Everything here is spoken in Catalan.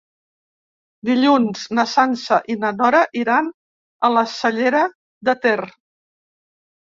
Dilluns na Sança i na Nora iran a la Cellera de Ter.